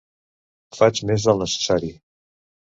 Faig més del necessari.